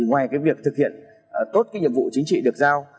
ngoài việc thực hiện tốt nhiệm vụ chính trị được giao